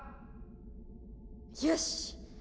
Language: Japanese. よし！